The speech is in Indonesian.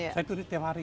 saya tulis tiap hari